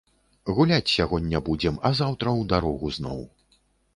Гуляць сягоння будзем, а заўтра ў дарогу зноў.